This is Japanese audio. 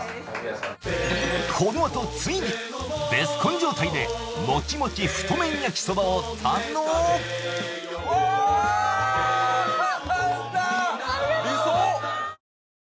このあとついにベスコン状態でもちもち太麺焼きそばを堪能世界初！